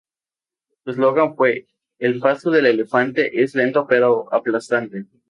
Su eslogan fue "El paso del elefante es lento pero aplastante".